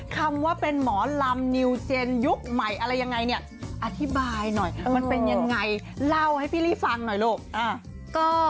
คำว่าเป็นหมอลำนิวเจนยุคใหม่อะไรยังไงเนี่ยอธิบายหน่อยมันเป็นยังไงเล่าให้พี่ลี่ฟังหน่อยลูก